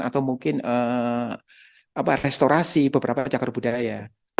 atau mungkin restorasi beberapa cakar budaya